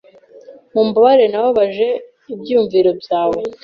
Mumbabarire nababaje ibyiyumvo byawe.